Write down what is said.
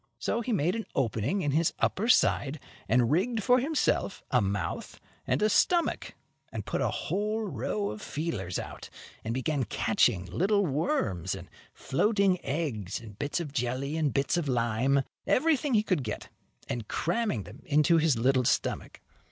So he made an opening in his upper side, and rigged for himself a mouth and a stomach, and put a whole row of feelers out, and began catching little worms and floating eggs and bits of jelly and bits of lime, everything he could get, and cramming them into his little stomach.